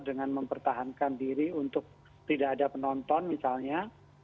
dengan mempertahankan diri untuk tidak ada penonton misalnya